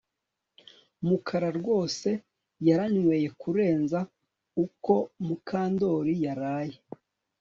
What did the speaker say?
Mukara rwose yaranyweye kurenza uko Mukandoli yaraye